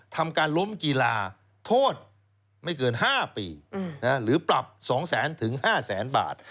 ทำการล้มกีฬาโทษไม่เกิน๕ปีหรือปรับ๒๐๐๐๕แสนบาท